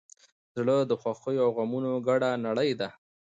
زړه د خوښیو او غمونو ګډه نړۍ ده.